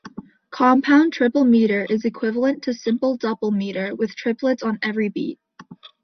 Compound triple meter is equivalent to simple duple meter with triplets on every beat.